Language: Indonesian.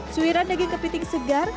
suiran daging kepiting segar